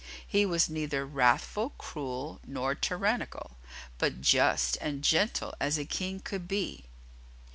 He was neither wrathful, cruel, nor tyrannical, but just and gentle as a king could be.